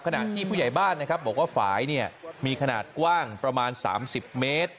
ขณะที่ผู้ใหญ่บ้านนะครับบอกว่าฝ่ายมีขนาดกว้างประมาณ๓๐เมตร